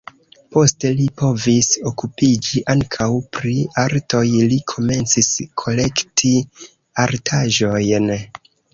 Poste li povis okupiĝi ankaŭ pri artoj, li komencis kolekti artaĵojn.